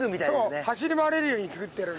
走り回れるようにつくってある。